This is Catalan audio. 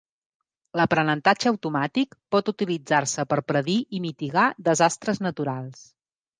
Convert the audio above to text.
L'aprenentatge automàtic pot utilitzar-se per predir i mitigar desastres naturals.